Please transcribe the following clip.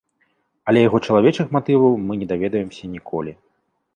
Але яго чалавечых матываў мы не даведаемся ніколі.